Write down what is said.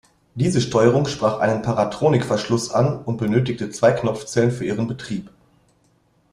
Diese Steuerung sprach einen Paratronic-Verschluss an und benötigte zwei Knopfzellen für ihren Betrieb.